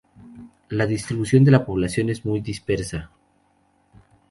La distribución de la población es muy dispersa.